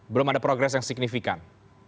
belum ada progres yang signifikan